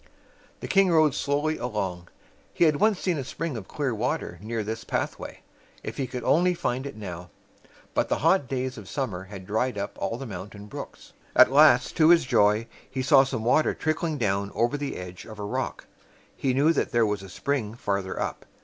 The king rode slowly along. He had once seen a spring of clear water near this path way. If he could only find it now! But the hot days of summer had dried up all the moun tain brooks. At last, to his joy, he saw some water tric kling down over the edge of a rock. He knew that there was a spring farther up.